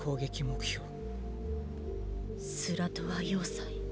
スラトア要塞。